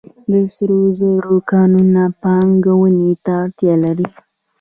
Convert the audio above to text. د سرو زرو کانونه پانګونې ته اړتیا لري